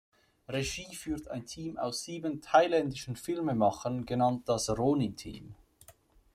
Regie führte ein Team aus sieben thailändischen Filmemachern, genannt das „Ronin-Team“.